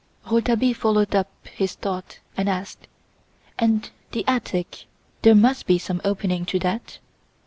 Rouletabille following up his thought, asked: "And the attic? There must be some opening to that?"